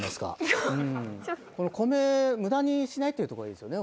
米無駄にしないっていうとこがいいですよね